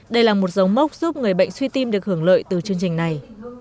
đây là một dấu mốc giúp người bệnh suy tim được hưởng lợi từ chương trình này